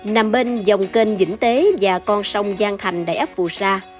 nằm bên dòng kênh vĩnh tế và con sông giang thành đầy ấp phù sa